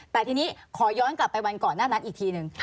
แต่ทีนี้ขอย้อนกลับไปวันก่อนหน้านั้นอีกทีหนึ่ง